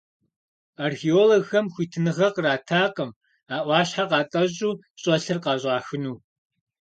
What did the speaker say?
Археологхэм хуитыныгъэ къратакъым а Ӏуащхьэр къатӀэщӀу, щӀэлъыр къыщӀахыну.